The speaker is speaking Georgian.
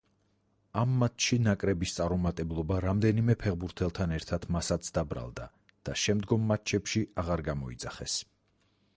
ამ მატჩში ნაკრების წარუმატებლობა რამდენიმე ფეხბურთელთან ერთად მასაც დაბრალდა და შემდგომ მატჩებში აღარ გამოიძახეს.